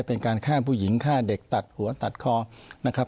เป็นการฆ่าผู้หญิงฆ่าเด็กตัดหัวตัดคอนะครับ